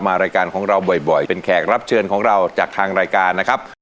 รายการของเราบ่อยเป็นแขกรับเชิญของเราจากทางรายการนะครับ